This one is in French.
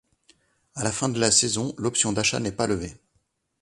À la fin de la saison, l'option d'achat n'est pas levée.